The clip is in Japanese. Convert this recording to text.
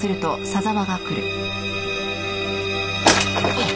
あっ！